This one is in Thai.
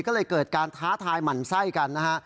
ก็เลยเกิดการท้าทายหมั่นไส้กันนะฮะ